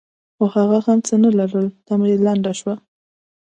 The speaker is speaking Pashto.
خو هغه هم څه نه لرل؛ تمه لنډه شوه.